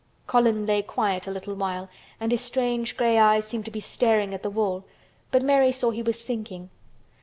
Colin lay quiet a little while and his strange gray eyes seemed to be staring at the wall, but Mary saw he was thinking.